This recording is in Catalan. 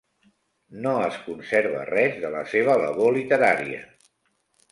No es conserva res de la seva labor literària.